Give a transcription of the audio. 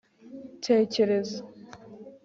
tekereza